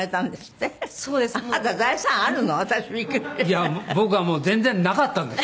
いや僕はもう全然なかったんです。